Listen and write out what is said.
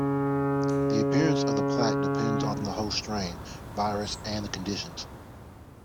The appearance of the plaque depends on the host strain, virus and the conditions.